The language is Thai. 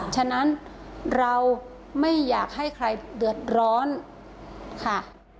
ฉะนั้นเราไม่อยากให้ใครเดือดร้อนค่ะ